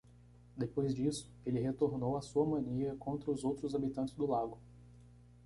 Depois disso, ele retornou à sua mania contra os outros habitantes do lago.